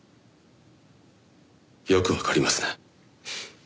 よくわかりますね。